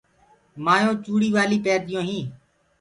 مآيونٚ چوُڙي والي پيرديونٚ هينٚ